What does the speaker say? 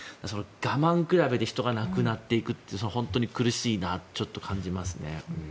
我慢比べで人が亡くなっていくという本当に苦しいなと感じますね。